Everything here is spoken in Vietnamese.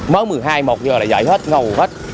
mới một mươi hai một giờ là dậy hết ngầu hết